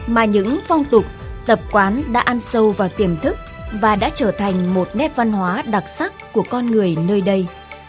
mà những phong tục tập quán đã ăn sâu vào tiềm thức và đã trở thành một nét văn hóa đặc sắc của con người nơi đây